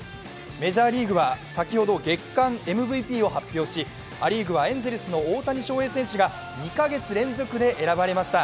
メジャーリーグは先ほど月間ＭＶＰを発表しア・リーグはエンゼルスの大谷翔平選手が２か月連続で選ばれました。